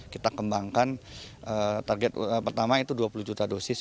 kita kembangkan target pertama itu dua puluh juta dosis